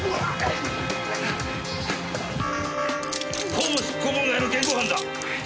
公務執行妨害の現行犯だ！